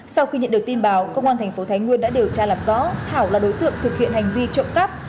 sau khi nhận được tin báo cơ quan thành phố thái nguyên đã điều tra làm rõ thảo là đối tượng thực hiện hành vi trộm cắp